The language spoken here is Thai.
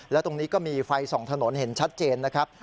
และตรงนี้ก็มีไฟส่องถนนเห็นชัดเจนนะครับ